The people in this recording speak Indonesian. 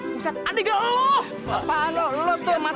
apaan lu lu tuh mata lu kemana